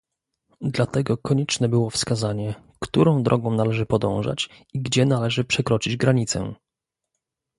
Dlatego konieczne było wskazanie, którą drogą należy podążać i gdzie należy przekroczyć granicę